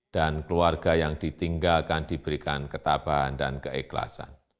dan keluarga yang ditinggalkan diberikan ketabahan dan keikhlasan